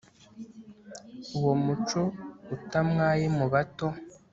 uwo muco utamwaye mu bato